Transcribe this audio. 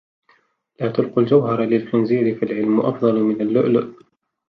لَا تُلْقُوا الْجَوْهَرَ لِلْخِنْزِيرِ فَالْعِلْمُ أَفْضَلُ مِنْ اللُّؤْلُؤِ